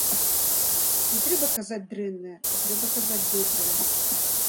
Не трэба казаць дрэннае, а трэба казаць добрае.